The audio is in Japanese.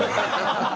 ハハハハ！